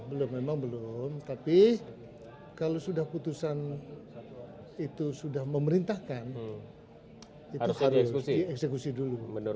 belum memang belum tapi kalau sudah putusan itu sudah memerintahkan itu harus dieksekusi dulu